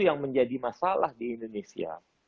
yang menjadi masalah di indonesia